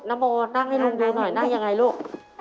น้ำโมนนั่งให้ลุงดูหน่อยนั่งอย่างไรลูก